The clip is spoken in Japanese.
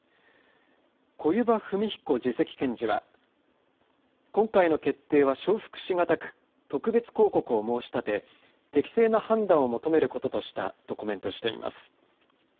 小弓場文彦次席検事は今回の決定は承服し難く特別抗告を申し立て適正な判断を求めることとしたとコメントしています。